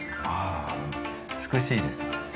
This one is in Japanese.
ああ美しいですね。